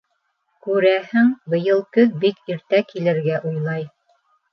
Күрәһең, быйыл көҙ бик иртә килергә уйлай.